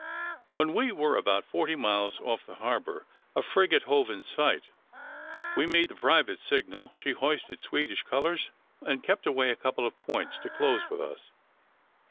When we were about forty miles off the harbour, a frigate hove in sight. We made the private signal: she hoisted Swedish colours, and kept away a couple of points to close with us.